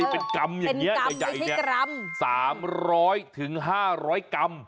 เป็นกรรมอย่างเงี้ยเป็นกรรมอย่างเงี้ยสามร้อยถึงห้าร้อยกรัม